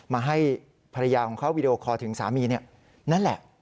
มาให้ภรรยาของเขาวีดีโอคอร์ถึงสามีนั่นแหละ